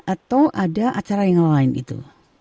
atau ada acara yang lain itu